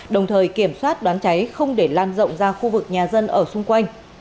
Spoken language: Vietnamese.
đồng thời kiểm soát đám cháy không để lan rộng ra khu vực nhà dân ở xung quanh